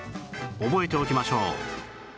覚えておきましょう